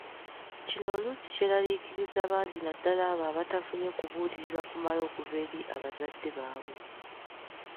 Kino oluusi kyeraliikiriza bangi naddala abo abatafunye kubuulirirwa kumala okuva eri abazadde baabwe.